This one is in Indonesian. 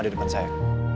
di depan saya